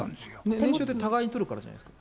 念書で互いにとるからじゃないですか？